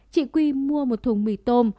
chị quy mua một thùng mì tôm